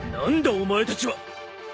お前たちは！